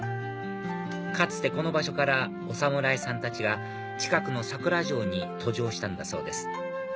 かつてこの場所からお侍さんたちが近くの佐倉城に登城したんだそうです